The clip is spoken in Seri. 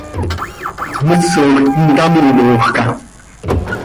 ¿Misoj intamímojca?